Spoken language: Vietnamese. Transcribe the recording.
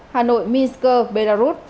sáu hà nội minsk belarus